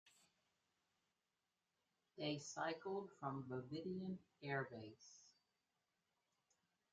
They cycled from Bovingdon airbase.